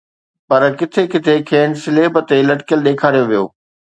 پر ڪٿي ڪٿي کين صليب تي لٽڪيل ڏيکاريو ويو